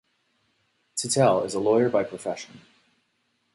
Tittel is a lawyer by profession.